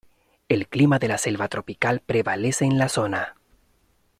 El clima de la selva tropical prevalece en la zona.